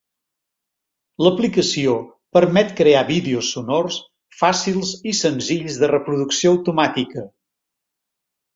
L'aplicació permet crear vídeos sonors, fàcils i senzills de reproducció automàtica.